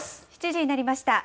７時になりました。